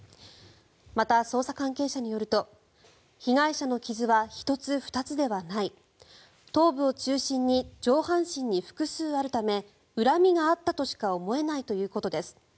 また、捜査関係者によると被害者の傷は１つ２つではない頭部を中心に上半身に複数あるため恨みがあったとしか思えないということです。